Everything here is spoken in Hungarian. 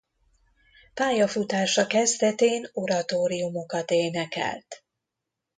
Pályafutása kezdetén oratóriumokat énekelt.